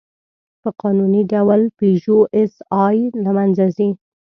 په قانوني ډول «پيژو ایسآی» له منځه ځي.